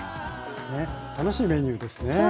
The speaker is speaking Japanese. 楽しいメニューですね。